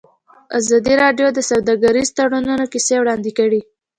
ازادي راډیو د سوداګریز تړونونه کیسې وړاندې کړي.